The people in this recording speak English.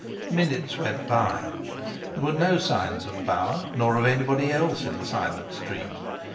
Minutes went by; there were no signs of Bauer nor of anybody else in the silent street.